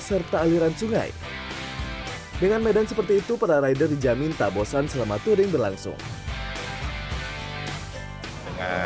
serta aliran sungai dengan medan seperti itu para rider dijamin tak bosan selama touring berlangsung dengan